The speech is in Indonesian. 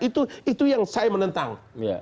itu yang saya menentang